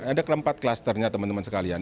ada keempat klasternya teman teman sekalian